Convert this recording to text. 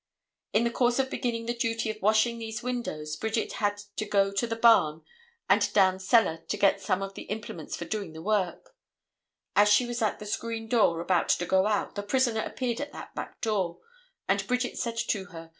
In the course of beginning the duty of washing these windows Bridget had to go to the barn and down cellar to get some of the implements for doing the work. As she was at the screen door, about to go out, the prisoner appeared at that back door, and Bridget said to her.